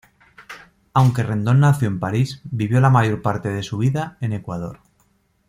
Aunque Rendón nació en París, vivió la mayor parte de su vida en Ecuador.